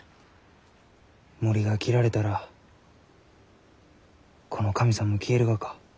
森が切られたらこの神さんも消えるがか？